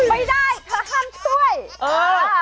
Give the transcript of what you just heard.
ไม่ได้เธอห้ามช่วยเออ